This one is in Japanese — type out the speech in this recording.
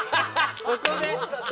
そこで。